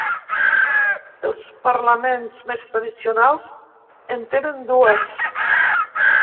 Els parlaments més tradicionals en tenen dues.